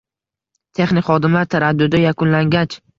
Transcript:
Texnik xodimlar taraddudi yakunlangach